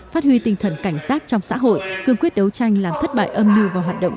phát huy tinh thần cảnh sát trong xã hội cương quyết đấu tranh làm thất bại âm mưu và hoạt động